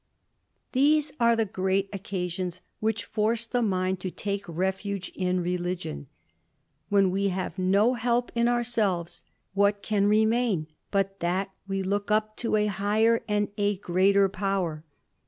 These are the great occasions which force the mind to *^ie lefiige in religion : when we have no help in ourselves, ^^lat can remain but that we look up to a higher and a Power?